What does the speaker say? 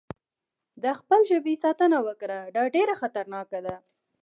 د خپل ژبې ساتنه وکړه، دا ډېره خطرناکه ده.